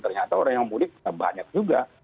ternyata orang yang mudik banyak juga